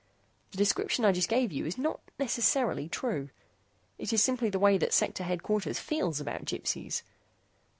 The description I just gave you is not necessarily true. It is simply the way that Sector Headquarters feels about Gypsies.